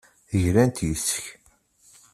Glant yes-k.